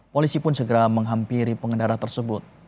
polisi pun segera menghampiri pengendara tersebut